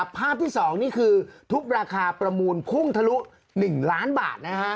ภาพที่๒นี่คือทุกราคาประมูลพุ่งทะลุ๑ล้านบาท